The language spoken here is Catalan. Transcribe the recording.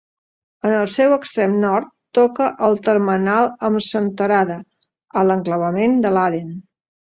En el seu extrem nord toca el termenal amb Senterada, a l'enclavament de Larén.